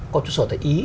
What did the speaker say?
có trụ sở tại ý